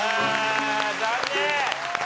残念！